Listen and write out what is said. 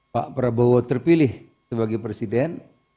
pak prabowo terpilih sebagai presiden